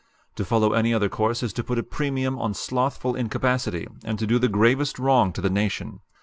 To follow any other course is to put a premium on slothful incapacity, and to do the gravest wrong to the Nation.